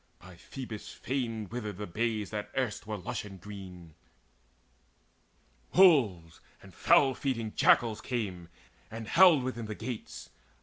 By Phoebus' fane Withered the bays that erst were lush and green. Wolves and foul feeding jackals came and howled Within the gates.